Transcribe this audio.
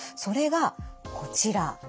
それがこちら。